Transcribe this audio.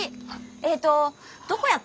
えっとどこやった？